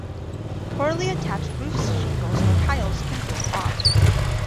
Poorly attached roof shingles or tiles can blow off.